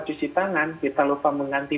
cuci tangan kita lupa mengganti